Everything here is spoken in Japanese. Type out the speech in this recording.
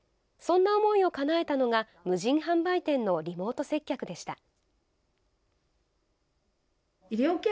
そんな思いをかなえたのが無人販売店のリモート接客でした。